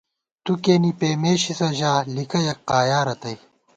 تُوکېنے پېمېشِسہ ژا ، لِکہ یَک قایا رتئ